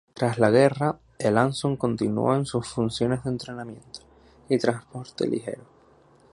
Tras la guerra, el Anson continuó en sus funciones de entrenamiento y transporte ligero.